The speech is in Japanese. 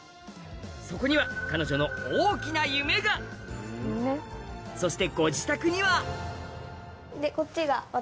そこには彼女の大きな夢がそしてこっちが。え！